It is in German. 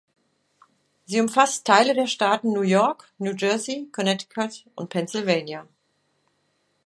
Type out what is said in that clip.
Sie umfasst Teile der Staaten New York, New Jersey, Connecticut und Pennsylvania.